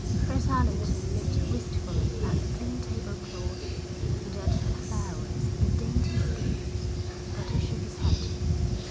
Fred Allerton looked wistfully at the clean table cloth, and at the flowers and the dainty scones; but he shook his head.